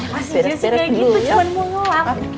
masih sih kayak gitu cuma mau ngelap